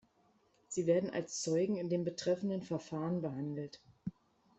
Sie werden als Zeugen in dem betreffenden Verfahren behandelt.